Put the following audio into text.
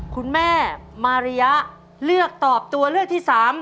คุณแม่มาริยะเลือกตอบตัวเลือกที่๓